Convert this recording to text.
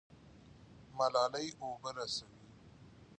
ملالۍ اوبه رسوي.